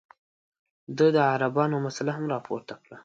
ده د عربانو مسله هم راپورته کړه.